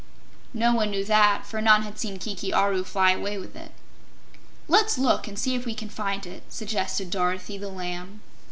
No one knew that, for none had seen Kiki Aru fly away with it. "Let's look and see if we can find it," suggested Dorothy the Lamb.